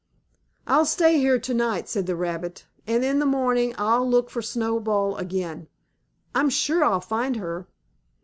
"I'll stay here to night," said the rabbit, "and in the morning I'll look for Snowball again. I'm sure I'll find her."